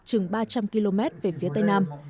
chừng ba trăm linh km về phía tây nam